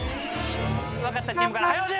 分かったチームから早押し！